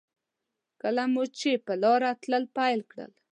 کله مو چې په لاره تلل پیل کړل.